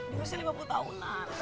di usia lima puluh tahunan